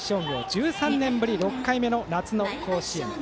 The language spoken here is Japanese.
１３年ぶり６回目の夏の甲子園。